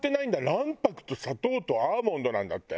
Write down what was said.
卵白と砂糖とアーモンドなんだって。